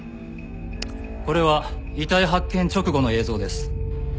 これは遺体発見直後の映像です。